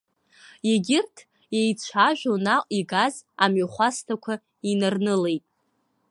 Егьырҭ, еицәажәо наҟ игаз амҩахәасҭақәа инарнылеит.